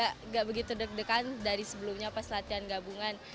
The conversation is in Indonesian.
tidak begitu deg degan dari sebelumnya pas latihan gabungan